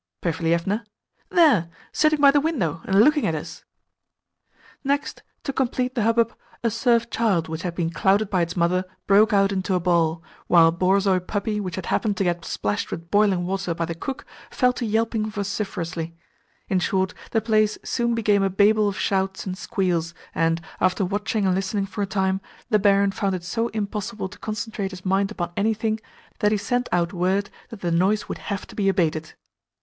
Perfilievna. There sitting by the window, and looking at us! Next, to complete the hubbub, a serf child which had been clouted by its mother broke out into a bawl, while a borzoi puppy which had happened to get splashed with boiling water by the cook fell to yelping vociferously. In short, the place soon became a babel of shouts and squeals, and, after watching and listening for a time, the barin found it so impossible to concentrate his mind upon anything that he sent out word that the noise would have to be abated.